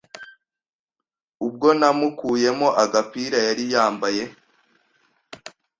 Ubwo namukuyemo agapira yari yambaye,